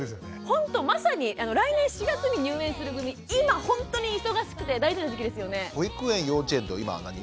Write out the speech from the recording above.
ほんとまさに来年４月に入園する組今ほんとに忙しくて大事な時期ですよね。